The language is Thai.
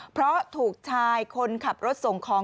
เพราะถูกชายคนขับรถส่งของ